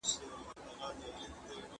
د درانيو او غلجيو اختلافات ډېر پخواني وو.